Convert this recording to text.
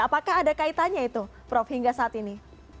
apakah ada kaitannya itu prof hingga saat ini